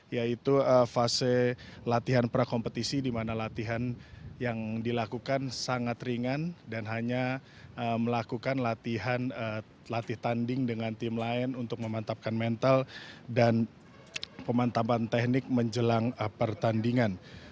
yaitu fase latihan prakompetisi di mana latihan yang dilakukan sangat ringan dan hanya melakukan latihan tanding dengan tim lain untuk memantapkan mental dan pemantapan teknik menjelang pertandingan